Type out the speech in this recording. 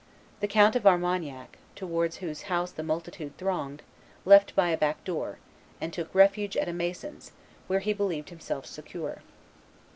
The Count of Armagnac, towards whose house the multitude thronged, left by a back door, and took refuge at a mason's, where he believed himself secure.